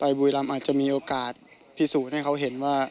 บุรีรำอาจจะมีโอกาสพิสูจน์ให้เขาเห็นว่า